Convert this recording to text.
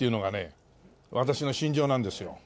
私の信条なんですよ。